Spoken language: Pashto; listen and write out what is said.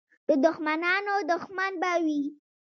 د دښمنانو دښمن به وي.